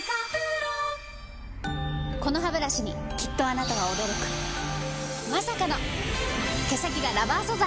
このハブラシにきっとあなたは驚くまさかの毛先がラバー素材！